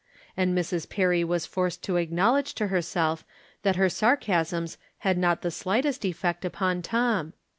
And Mrs. Perry was forced to acknowledge to herself that her sarcasms had not the slightest ef fect upon Tom.